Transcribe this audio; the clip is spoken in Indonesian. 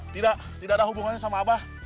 tidak tidak ada hubungannya sama abah